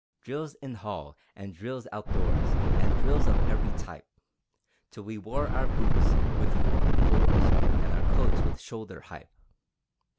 Drills in hall, and drills outdoors, And drills of every type, Till we wore our boots with forming fours, And our coats with "Shoulder hipe!"